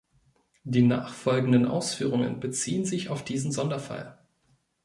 Die nachfolgenden Ausführungen beziehen sich auf diesen Sonderfall.